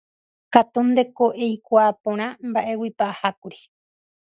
katu ndéngo eikuaa porã mba'éguipa ahákuri.